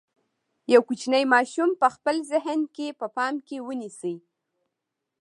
یو کوچنی ماشوم په خپل ذهن کې په پام کې ونیسئ.